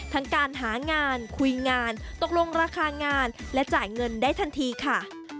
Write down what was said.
ทั้งการหางานคุยงานตกลงราคางานและจ่ายเงินได้ทันทีค่ะ